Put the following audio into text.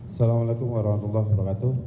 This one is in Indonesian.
assalamualaikum warahmatullahi wabarakatuh